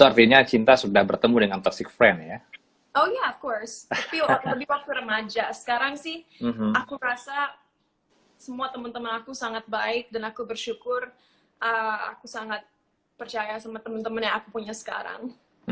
itu artinya cinta sudah bertemu dengan toxic friend ya oh ya of course tapi waktu remaja sekarang sih aku merasa semua temen temen aku sangat baik dan aku bersyukur aku sangat percaya sama temen temen yang aku punya sekarang